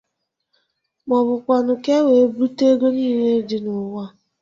ma ọ bụkwanụ ka wee bute ego niile dị n'ụwa